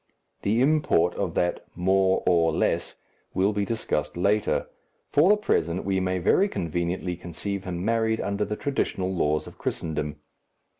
The import of that "more or less" will be discussed later, for the present we may very conveniently conceive him married under the traditional laws of Christendom.